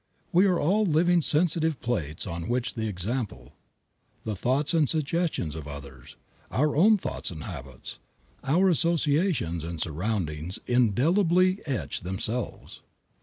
We are all living sensitive plates on which the example, the thoughts and suggestions of others, our own thoughts and habits, our associations and surroundings indelibly etch themselves.